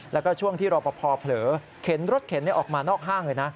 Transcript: แล้วก็ช่วงที่รอปภเผลอเข็นรถเข็นออกมานอกห้างเลยนะ